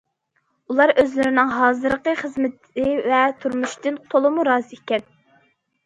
ئۇلار ئۆزلىرىنىڭ ھازىرقى خىزمىتى ۋە تۇرمۇشىدىن تولىمۇ رازى ئىكەن.